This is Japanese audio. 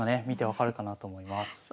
見て分かるかなと思います。